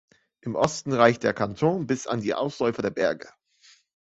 Im Osten reicht der Kanton bis an die Ausläufer der Berge.